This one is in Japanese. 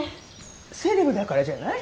セレブだからじゃない？